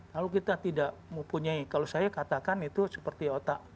kalau kita tidak mempunyai kalau saya katakan itu seperti otak